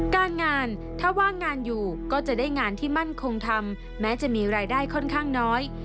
การงานถ้าว่างงานอยู่ก็จะได้งานที่มั่นคงทำแม้จะมีรายได้ค่อนข้างน้อย